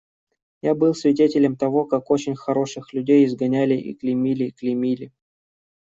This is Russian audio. Я был свидетелем того, как очень хороших людей изгоняли и клеймили, клеймили.